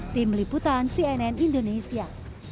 tim liputan cnn indonesia